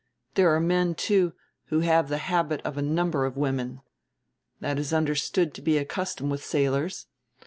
There are men, too, who have the habit of a number of women. That is understood to be a custom with sailors.